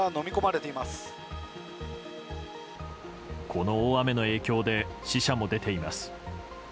この大雨の影響で死者も出ています。